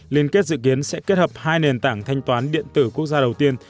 liên kết dự kiến sẽ kết hợp hai nền tảng thanh toán điện tử quốc gia đầu tiên